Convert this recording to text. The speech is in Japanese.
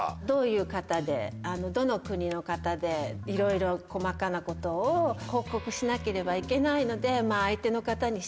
どういう方でどの国の方でいろいろ細かなことを報告しなければいけないので。